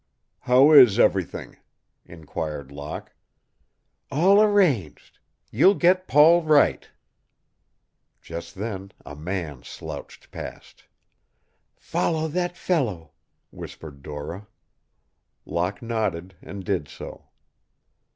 "How is everything?" inquired Locke. "All arranged. You'll get Paul right." Just then a man slouched past. "Follow that fellow," whispered Dora. Locke nodded and did so.